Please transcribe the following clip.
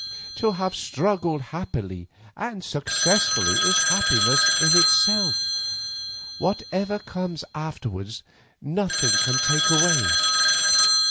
"To have struggled happily and successfully is happiness in itself. Whatever comes afterwards nothing can take that away.